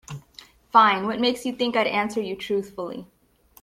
Fine, what makes you think I'd answer you truthfully?